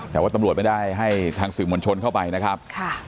แต่ว่าตำรวจไม่ได้ให้ทางสื่อมวลชนเข้าไปนะครับ